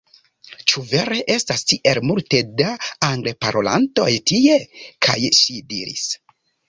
Ĉu vere estas tiel multe da Angleparolantoj tie? kaj ŝi diris: